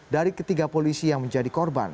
dari ketiga polisi yang menjenguk